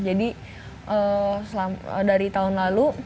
jadi dari tahun lalu